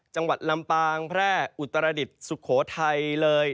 จังหวัดลำปางแพร่อุตรดิษฐ์สุโขทัยเลย